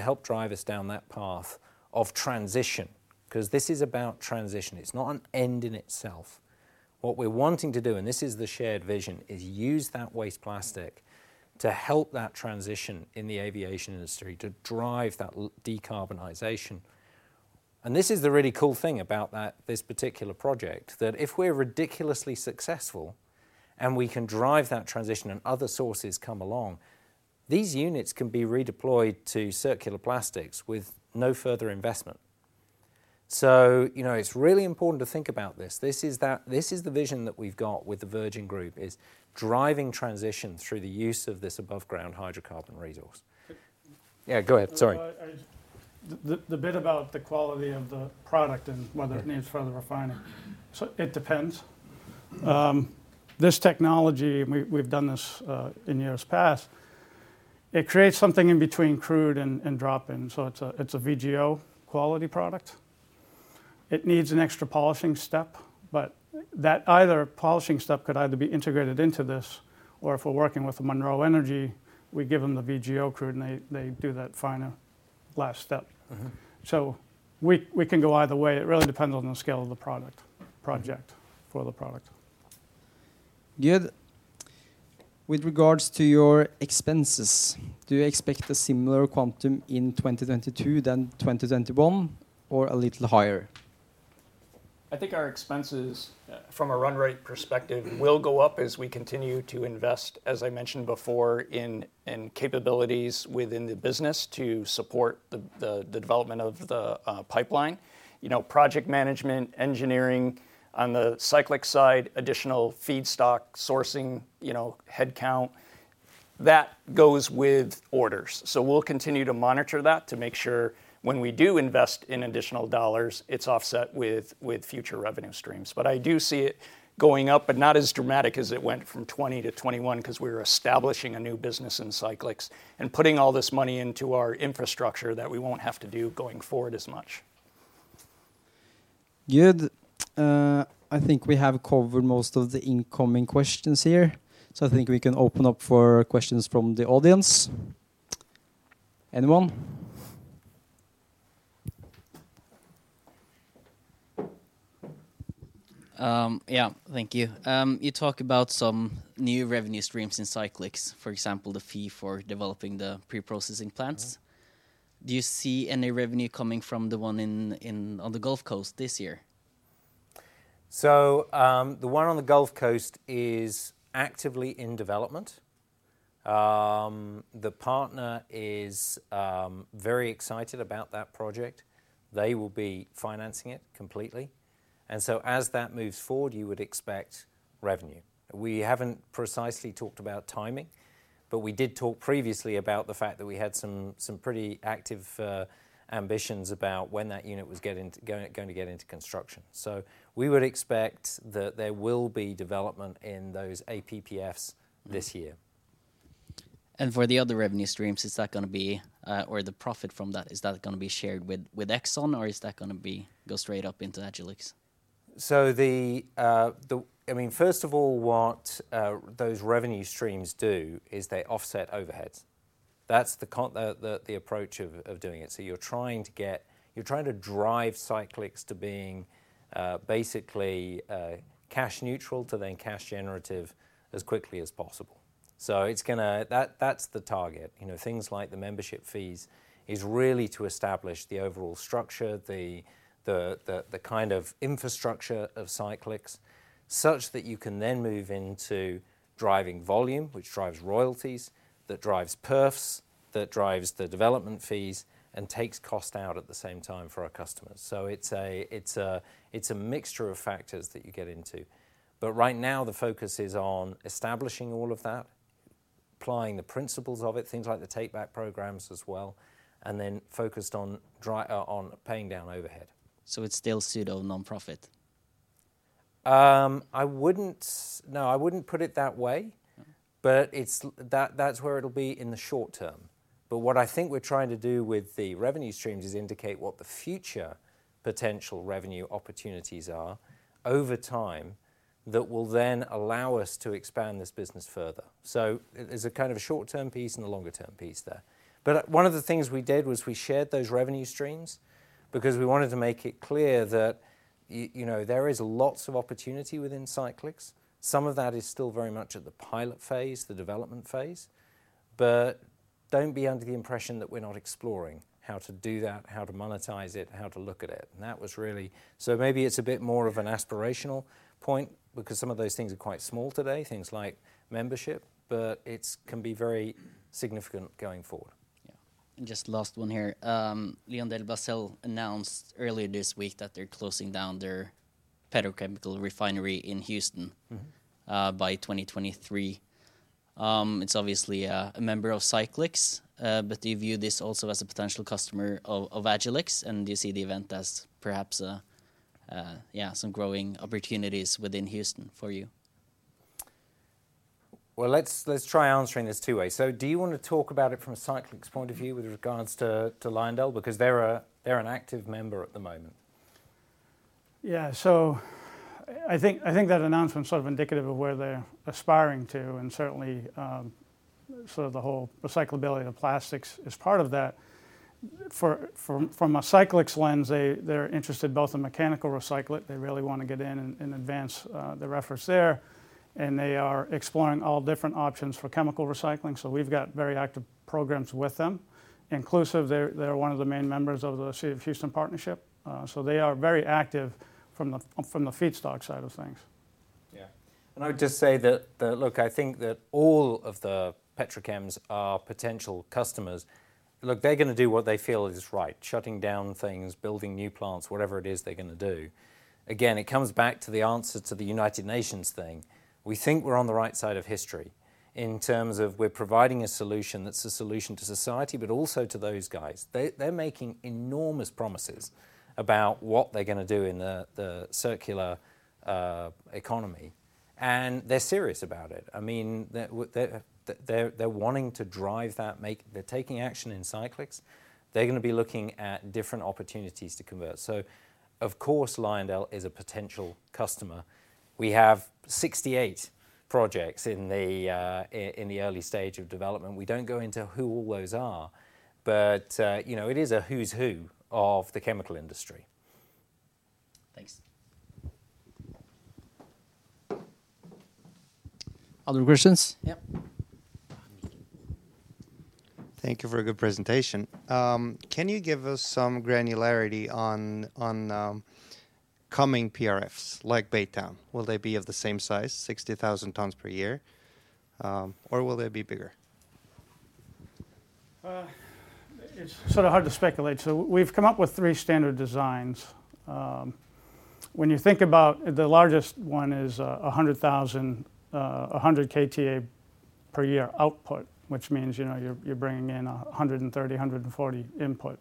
Speaker 2: help drive us down that path of transition? 'Cause this is about transition. It's not an end in itself. What we're wanting to do, and this is the shared vision, is use that waste plastic to help that transition in the aviation industry to drive that decarbonization. This is the really cool thing about that, this particular project, that if we're ridiculously successful, and we can drive that transition and other sources come along, these units can be redeployed to circular plastics with no further investment. You know, it's really important to think about this. This is that. This is the vision that we've got with the Virgin Group is driving transition through the use of this above ground hydrocarbon resource.
Speaker 5: But-
Speaker 2: Yeah, go ahead. Sorry.
Speaker 5: The bit about the quality of the product and whether-
Speaker 2: Yeah
Speaker 5: It needs further refining, so it depends. This technology, we've done this in years past, it creates something in between crude and droppings, so it's a VGO quality product. It needs an extra polishing step, but that polishing step could be integrated into this, or if we're working with Monroe Energy, we give them the VGO crude and they do that final last step.
Speaker 2: Mm-hmm.
Speaker 5: We can go either way. It really depends on the scale of the project for the product.
Speaker 1: Good. With regards to your expenses, do you expect a similar quantum in 2022 than 2021 or a little higher?
Speaker 3: I think our expenses from a run rate perspective will go up as we continue to invest, as I mentioned before, in capabilities within the business to support the development of the pipeline. You know, project management, engineering. On the Cyclyx side, additional feedstock sourcing, you know, headcount, that goes with orders. We'll continue to monitor that to make sure when we do invest in additional dollars, it's offset with future revenue streams. I do see it going up, but not as dramatic as it went from 2020 to 2021, 'cause we're establishing a new business in Cyclyx and putting all this money into our infrastructure that we won't have to do going forward as much.
Speaker 1: Good. I think we have covered most of the incoming questions here, so I think we can open up for questions from the audience. Anyone?
Speaker 6: Yeah. Thank you. You talk about some new revenue streams in Cyclyx, for example, the fee for developing the pre-processing plants.
Speaker 2: Mm-hmm.
Speaker 6: Do you see any revenue coming from the one in on the Gulf Coast this year?
Speaker 2: The one on the Gulf Coast is actively in development. The partner is very excited about that project. They will be financing it completely. As that moves forward, you would expect revenue. We haven't precisely talked about timing, but we did talk previously about the fact that we had some pretty active ambitions about when that unit was going to get into construction. We would expect that there will be development in those APPFs this year.
Speaker 6: For the other revenue streams, is that gonna be or the profit from that, is that gonna be shared with ExxonMobil or is that gonna be go straight up into Agilyx?
Speaker 2: I mean, first of all, what those revenue streams do is they offset overheads. That's the approach of doing it. You're trying to drive Cyclyx to being basically cash neutral to then cash generative as quickly as possible. That's the target. You know, things like the membership fees is really to establish the overall structure, the kind of infrastructure of Cyclyx such that you can then move into driving volume, which drives royalties, that drives PRFs, that drives the development fees and takes cost out at the same time for our customers. It's a mixture of factors that you get into. Right now, the focus is on establishing all of that, applying the principles of it, things like the take-back programs as well, and then focused on paying down overhead.
Speaker 6: It's still pseudo non-profit?
Speaker 2: No, I wouldn't put it that way, but it's that's where it'll be in the short term. What I think we're trying to do with the revenue streams is indicate what the future potential revenue opportunities are over time that will then allow us to expand this business further. It, it's a kind of a short-term piece and a longer-term piece there. One of the things we did was we shared those revenue streams because we wanted to make it clear that you know, there is lots of opportunity within Cyclyx. Some of that is still very much at the pilot phase, the development phase. Don't be under the impression that we're not exploring how to do that, how to monetize it, how to look at it. That was really. Maybe it's a bit more of an aspirational point because some of those things are quite small today, things like membership, but it can be very significant going forward.
Speaker 6: Yeah. Just last one here. LyondellBasell announced earlier this week that they're closing down their petrochemical refinery in Houston.
Speaker 2: Mm-hmm
Speaker 6: By 2023. It's obviously a member of Cyclyx, but do you view this also as a potential customer of Agilyx? Do you see the event as perhaps some growing opportunities within Houston for you?
Speaker 2: Well, let's try answering this two ways. Do you wanna talk about it from a Cyclyx point of view with regards to LyondellBasell? Because they're an active member at the moment.
Speaker 5: Yeah. I think that announcement is sort of indicative of where they're aspiring to, and certainly sort of the whole recyclability of the plastics is part of that. From a Cyclyx lens, they're interested both in mechanical recycling. They really wanna get in and advance the reference there, and they are exploring all different options for chemical recycling. We've got very active programs with them. Including, they're one of the main members of the City of Houston partnership, so they are very active from the feedstock side of things.
Speaker 2: Yeah. I would just say that, look, I think that all of the petrochems are potential customers. Look, they're gonna do what they feel is right, shutting down things, building new plants, whatever it is they're gonna do. Again, it comes back to the answer to the United Nations thing. We think we're on the right side of history in terms of we're providing a solution that's a solution to society, but also to those guys. They're making enormous promises about what they're gonna do in the circular economy, and they're serious about it. I mean, they're wanting to drive that. They're taking action in Cyclyx. They're gonna be looking at different opportunities to convert. Of course, LyondellBasell is a potential customer. We have 68 projects in the early stage of development. We don't go into who all those are, but, you know, it is a who's who of the chemical industry.
Speaker 6: Thanks.
Speaker 1: Other questions?
Speaker 6: Yep.
Speaker 7: Thank you for a good presentation. Can you give us some granularity on coming PRFs like Baytown? Will they be of the same size, 60,000 tons per year, or will they be bigger?
Speaker 5: It's sort of hard to speculate. We've come up with three standard designs. When you think about the largest one is 100,000 KTA per year output, which means, you know, you're bringing in 130-140 input.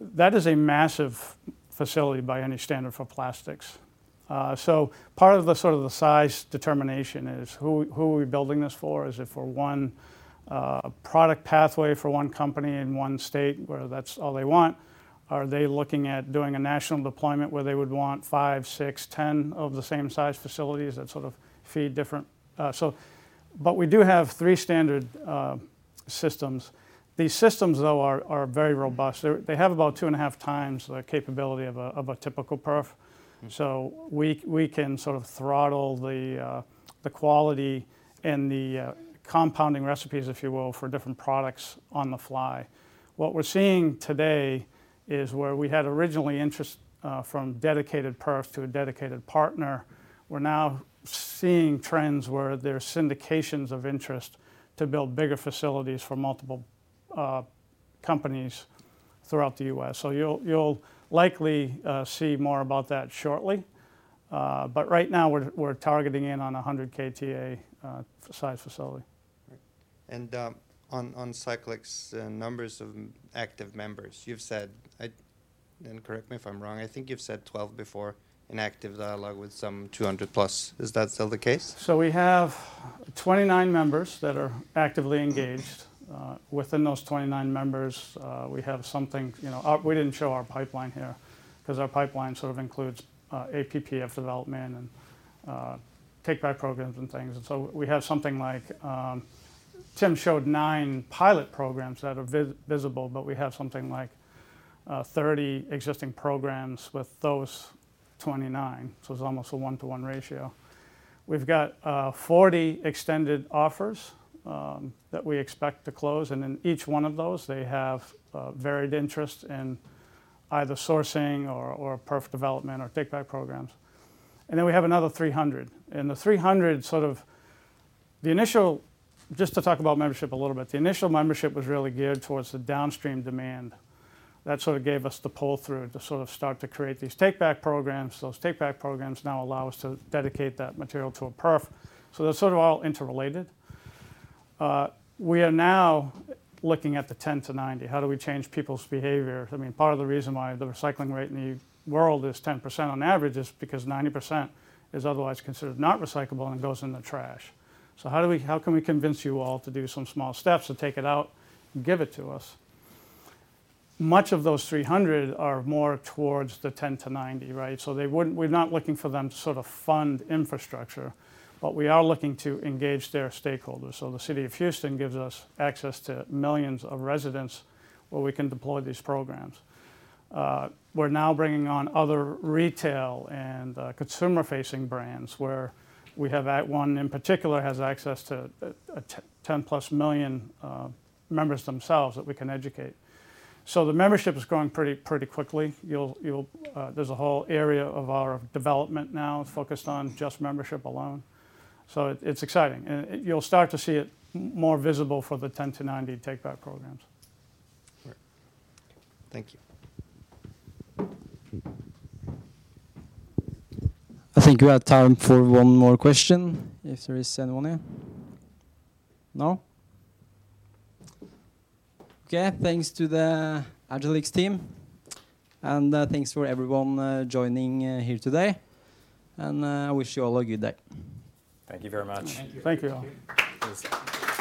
Speaker 5: That is a massive facility by any standard for plastics. Part of the sort of the size determination is who are we building this for? Is it for one product pathway for one company in one state, where that's all they want? Are they looking at doing a national deployment where they would want five, six, 10 of the same size facilities that sort of feed different. But we do have three standard systems. These systems, though, are very robust. They have about two and a half times the capability of a typical PRF.
Speaker 2: Mm-hmm.
Speaker 5: We can sort of throttle the quality and the compounding recipes, if you will, for different products on the fly. What we're seeing today is where we had original interest from dedicated PRFs to a dedicated partner. We're now seeing trends where there's syndications of interest to build bigger facilities for multiple companies throughout the U.S. You'll likely see more about that shortly. But right now, we're targeting in on a 100 KTA full-size facility.
Speaker 7: On Cyclyx's numbers of active members, correct me if I'm wrong, I think you've said 12 before in active dialogue with some 200+. Is that still the case?
Speaker 5: We have 29 members that are actively engaged. Within those 29 members, You know, we didn't show our pipeline here 'cause our pipeline sort of includes APPF development and takeback programs and things. We have something like nine pilot programs that are visible, but we have something like 30 existing programs with those 29. It's almost a one-to-one ratio. We've got 40 extended offers that we expect to close, and in each one of those, they have varied interest in either sourcing or PRF development or takeback programs. Then we have another 300. Just to talk about membership a little bit, the initial membership was really geared towards the downstream demand. That sort of gave us the pull-through to sort of start to create these takeback programs. Those takeback programs now allow us to dedicate that material to a PRF. They're sort of all interrelated. We are now looking at the 10to90. How do we change people's behavior? I mean, part of the reason why the recycling rate in the world is 10% on average is because 90% is otherwise considered not recyclable and goes in the trash. How can we convince you all to do some small steps to take it out and give it to us? Much of those 300 are more towards the 10to90, right? We're not looking for them to sort of fund infrastructure, but we are looking to engage their stakeholders. The City of Houston gives us access to millions of residents where we can deploy these programs. We're now bringing on other retail and consumer-facing brands where we have one, in particular, has access to a 10+ million members themselves that we can educate. The membership is growing pretty quickly. There's a whole area of our development now focused on just membership alone. It's exciting, and you'll start to see it more visible for the 10to90 takeback programs.
Speaker 7: Right. Thank you.
Speaker 1: I think we have time for one more question, if there is anyone here. No? Okay. Thanks to the Agilyx team. Thanks for everyone joining here today. I wish you all a good day.
Speaker 2: Thank you very much.
Speaker 4: Thank you. Thank you.